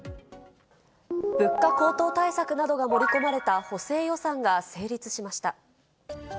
物価高騰対策などが盛り込まれた補正予算が成立しました。